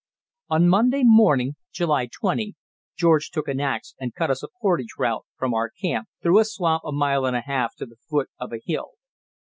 On Monday morning (July 20) George took an axe and cut us a portage route from our camp through a swamp a mile and a half to the foot of a hill.